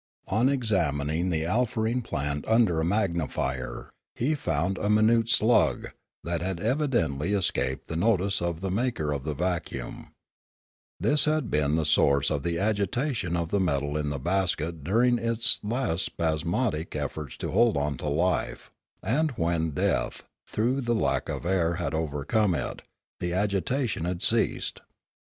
Ou examining the alfarene plant under a magnifier, he found a minute slug, that had evidently escaped the notice of the maker of the vacuum; this had been the source of the agitation of the metal in the basket dur ing its last spasmodic efforts to hold on to life; and, when death, through the lack of air, had overcome it, the agitation had ceased.